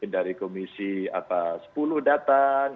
dari komisi sepuluh datang